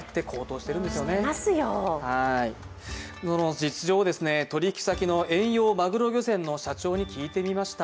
実情を、取引先の遠洋マグロ漁船の社長に聞いてみました。